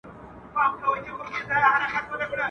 مرگ په ماړه نس ښه خوند کوي.